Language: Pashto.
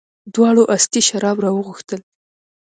دواړو استي شراب راوغوښتل.